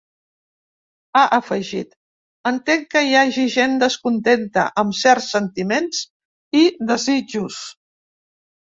Ha afegit: Entenc que hi hagi gent descontenta, amb certs sentiments i desitjos.